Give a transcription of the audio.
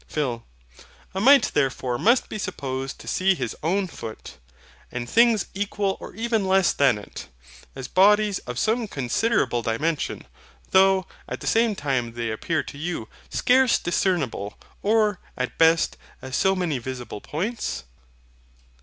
PHIL. A mite therefore must be supposed to see his own foot, and things equal or even less than it, as bodies of some considerable dimension; though at the same time they appear to you scarce discernible, or at best as so many visible points?